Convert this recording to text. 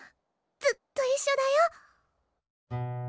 ずっと一緒だよ！